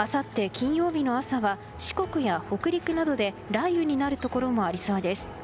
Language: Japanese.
金曜日の朝は四国や北陸などで雷雨になるところもありそうです。